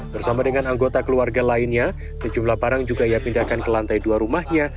bersama dengan anggota keluarga lainnya sejumlah barang juga ia pindahkan ke lantai dua rumahnya